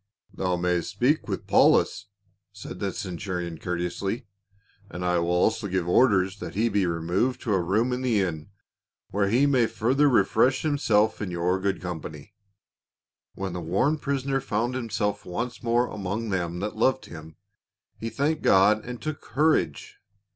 " Thou mayst speak with Paulus," said the centu rion courteously, '" and I will also give orders that he be removed to a room in the inn, where he may fur ther refresh himself in your good company." When the worn prisoner found himself once more among them that loved him, "he thanked God and took courage."